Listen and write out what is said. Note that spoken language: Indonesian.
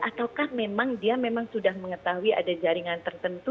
ataukah memang dia memang sudah mengetahui ada jaringan tertentu